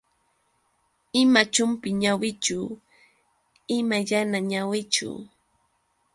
Ima chumpi ñawichu, ima yana ñawichu.